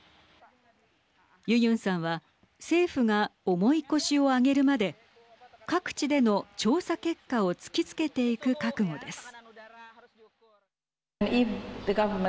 ユユンさんは政府が重い腰を上げるまで各地での調査結果を突きつけていく覚悟です。